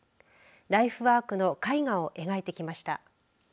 ライフワークの絵画を描いてきました。